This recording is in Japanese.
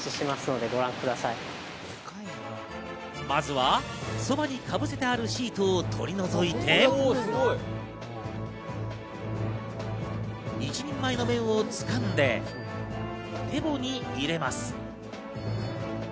まずは、そばにかぶせてあるシートを取り除いて、１人前の麺を掴んでてぼに入れます。